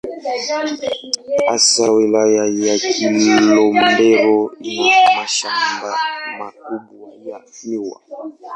Hasa Wilaya ya Kilombero ina mashamba makubwa ya miwa.